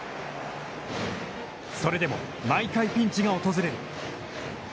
それでも毎回ピンチが訪れる。